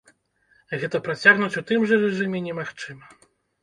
Гэта працягнуць у тым жа рэжыме немагчыма.